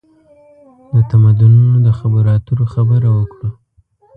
د تمدنونو د خبرواترو خبره وکړو.